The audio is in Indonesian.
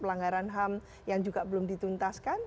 pelanggaran ham yang juga belum dituntaskan